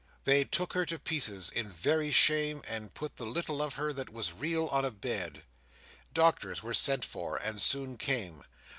They took her to pieces in very shame, and put the little of her that was real on a bed. Doctors were sent for, and soon came.